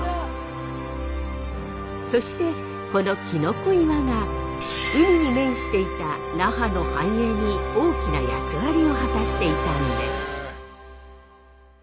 そしてこのきのこ岩が海に面していた那覇の繁栄に大きな役割を果たしていたんです。